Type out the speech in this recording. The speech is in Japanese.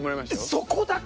そこだけ？